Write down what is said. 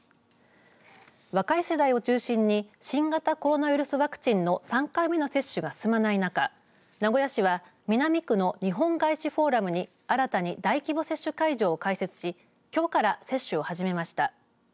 若い世代を中心に新型コロナウイルスワクチンの３回目の接種が進まない中名古屋市は南区の日本ガイシフォーラムに新たに大規模接種会場を開設しきょうから接種を始めました。